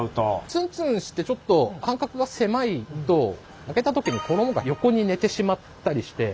ツンツンしてちょっと間隔が狭いと揚げた時に衣が横に寝てしまったりして。